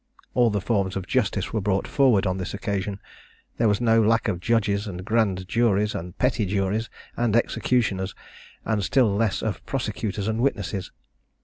All the forms of justice were brought forward on this occasion. There was no lack of judges, and grand juries, and petty juries, and executioners, and still less of prosecutors and witnesses.